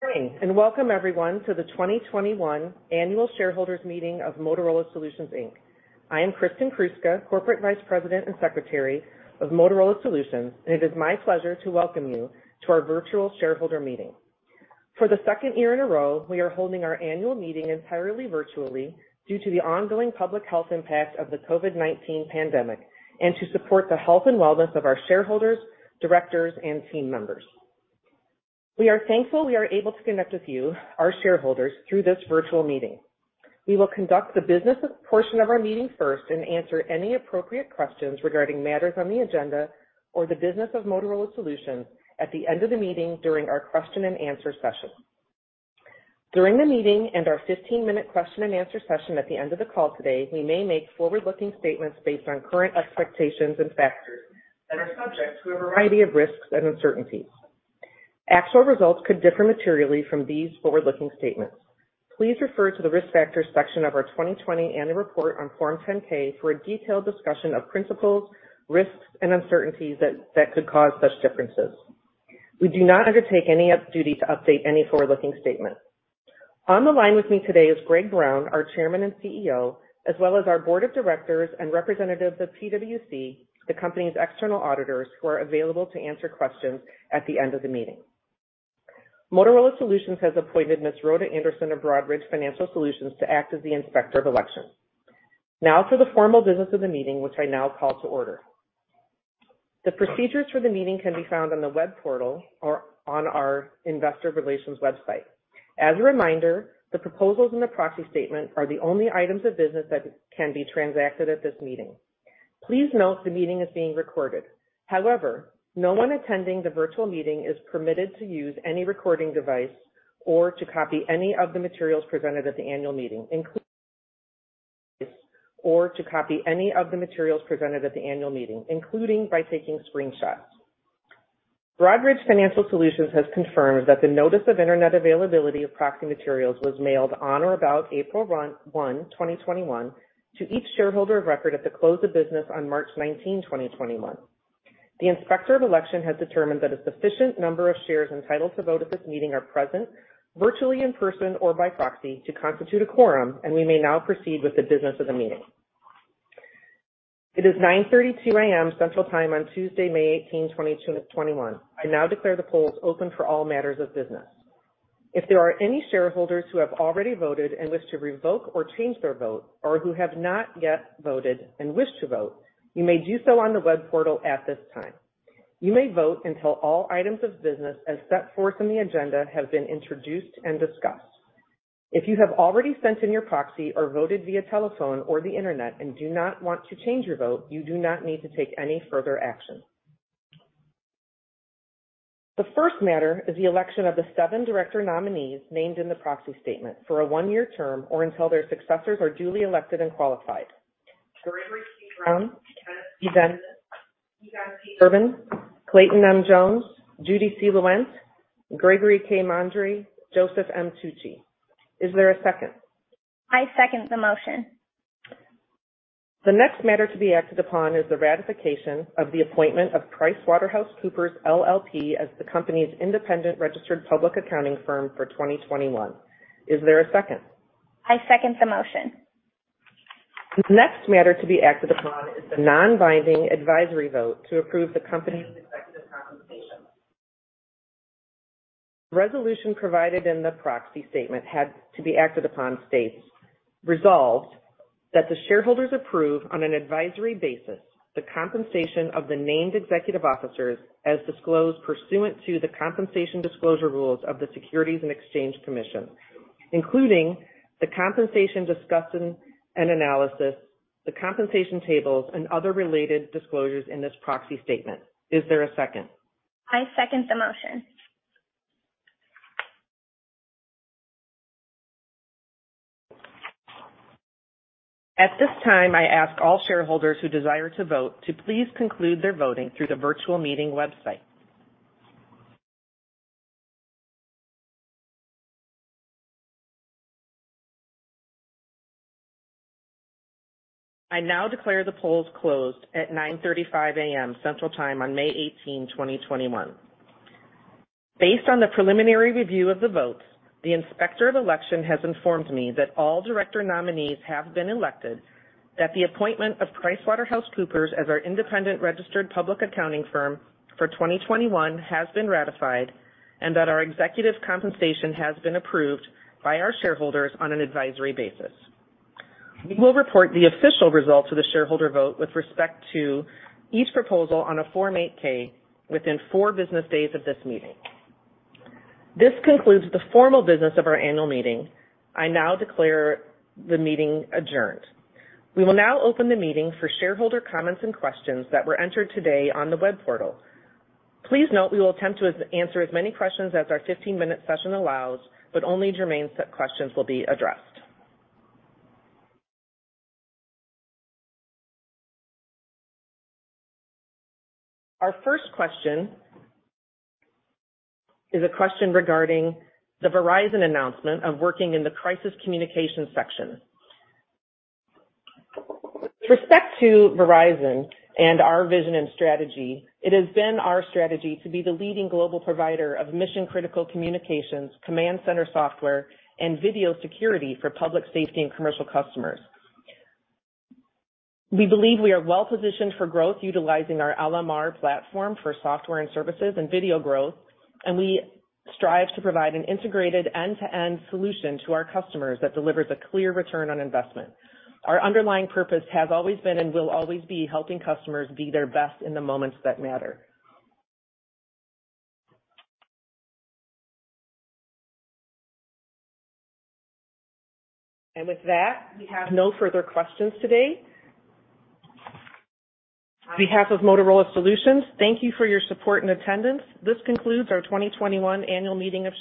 Morning, and welcome everyone to the 2021 Annual Shareholders Meeting of Motorola Solutions. I am Kristin Kruska, Corporate Vice President and Secretary of Motorola Solutions, and it is my pleasure to welcome you to our virtual shareholder meeting. For the second year in a row, we are holding our annual meeting entirely virtually due to the ongoing public health impact of the COVID-19 pandemic and to support the health and wellness of our shareholders, directors, and team members. We are thankful we are able to connect with you, our shareholders, through this virtual meeting. We will conduct the business portion of our meeting first and answer any appropriate questions regarding matters on the agenda or the business of Motorola Solutions at the end of the meeting during our question-and-answer session. During the meeting and our 15-minute question-and-answer session at the end of the call today, we may make forward-looking statements based on current expectations and factors that are subject to a variety of risks and uncertainties. Actual results could differ materially from these forward-looking statements. Please refer to the risk factors section of our 2020 Annual Report on Form 10-K for a detailed discussion of principles, risks, and uncertainties that could cause such differences. We do not undertake any duty to update any forward-looking statement. On the line with me today is Greg Brown, our Chairman and CEO, as well as our Board of Directors and representatives of PwC, the company's external auditors, who are available to answer questions at the end of the meeting. Motorola Solutions has appointed Ms. Rhoda Anderson of Broadridge Financial Solutions to act as the Inspector of Elections. Now for the formal business of the meeting, which I now call to order. The procedures for the meeting can be found on the web portal or on our investor relations website. As a reminder, the proposals and the proxy statement are the only items of business that can be transacted at this meeting. Please note the meeting is being recorded. However, no one attending the virtual meeting is permitted to use any recording device or to copy any of the materials presented at the annual meeting, including by taking screenshots. Broadridge Financial Solutions has confirmed that the notice of internet availability of proxy materials was mailed on or about April 1, 2021, to each shareholder of record at the close of business on March 19, 2021. The Inspector of Elections has determined that a sufficient number of shares entitled to vote at this meeting are present, virtually in person or by proxy, to constitute a quorum, and we may now proceed with the business of the meeting. It is 9:32 A.M. Central Time on Tuesday, May 18, 2021. I now declare the polls open for all matters of business. If there are any shareholders who have already voted and wish to revoke or change their vote, or who have not yet voted and wish to vote, you may do so on the web portal at this time. You may vote until all items of business as set forth in the agenda have been introduced and discussed. If you have already sent in your proxy or voted via telephone or the internet and do not want to change your vote, you do not need to take any further action. The first matter is the election of the seven director nominees named in the proxy statement for a one-year term or until their successors are duly elected and qualified: Gregory Q. Brown, Kenneth C. Bennett, Steven T. Yahiaoui, Clayton M. Jones, Judy C. Lewent, Gregory K. Mondre, Joseph M. Tucci. Is there a second? I second the motion. The next matter to be acted upon is the ratification of the appointment of PricewaterhouseCoopers LLP, as the company's independent registered public accounting firm for 2021. Is there a second? I second the motion. The next matter to be acted upon is the non-binding advisory vote to approve the company's executive compensation. The resolution provided in the proxy statement to be acted upon states, "Resolved that the shareholders approve, on an advisory basis, the compensation of the named executive officers as disclosed pursuant to the compensation disclosure rules of the Securities and Exchange Commission, including the compensation discussion and analysis, the compensation tables, and other related disclosures in this proxy statement." Is there a second? I second the motion. At this time, I ask all shareholders who desire to vote to please conclude their voting through the virtual meeting website. I now declare the polls closed at 9:35 A.M. Central Time on May 18, 2021. Based on the preliminary review of the votes, the Inspector of Elections has informed me that all director nominees have been elected, that the appointment of PricewaterhouseCoopers as our independent registered public accounting firm for 2021 has been ratified, and that our executive compensation has been approved by our shareholders on an advisory basis. We will report the official results of the shareholder vote with respect to each proposal on a Form 8-K within four business days of this meeting. This concludes the formal business of our annual meeting. I now declare the meeting adjourned. We will now open the meeting for shareholder comments and questions that were entered today on the web portal. Please note we will attempt to answer as many questions as our 15-minute session allows, but only germane questions will be addressed. Our first question is a question regarding the Verizon announcement of working in the crisis communications section. With respect to Verizon and our vision and strategy, it has been our strategy to be the leading global provider of mission-critical communications, command center software, and video security for public safety and commercial customers. We believe we are well-positioned for growth utilizing our LMR platform for software and services and video growth, and we strive to provide an integrated end-to-end solution to our customers that delivers a clear return on investment. Our underlying purpose has always been and will always be helping customers be their best in the moments that matter. We have no further questions today. On behalf of Motorola Solutions, thank you for your support and attendance. This concludes our 2021 Annual Meeting.